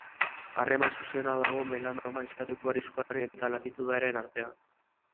Harreman zuzena dago melanoma izateko arriskuaren eta latitudearen artean.